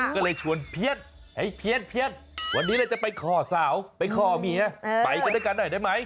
ก็เลยชวนเพี้ยนไอ้เพี้ยนวันนี้เลยจะไปขอสาวไปขอเมียไปกันด้วยกันหน่อยได้ไหม